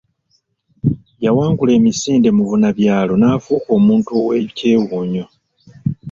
Yawangula emisinde mubunabyalo n’afuuka omuntu ow’ekyewuunyo.